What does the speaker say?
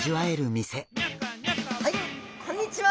はいこんにちは。